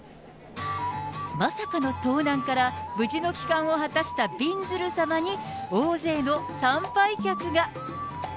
まさかの盗難から無事の帰還を果たしたびんずる様に大勢の参拝客が。